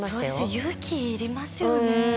勇気いりますよね。